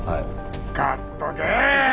買っとけ！